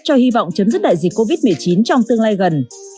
cho hy vọng chấm dứt đại dịch covid một mươi chín trong tương lai gần